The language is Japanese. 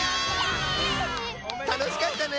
たのしかったね！